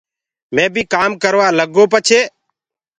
مي بيٚ ڪآم ڪروآ لگ گو پڇي